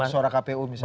suara kpu misalnya